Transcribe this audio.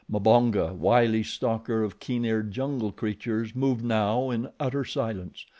Mbonga, wily stalker of keen eared jungle creatures, moved now in utter silence.